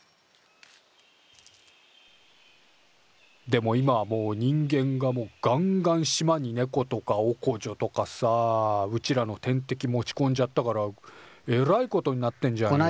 でも今はもう人間ががんがん島にネコとかオコジョとかさうちらの天敵持ちこんじゃったからえらいことになってんじゃんよ。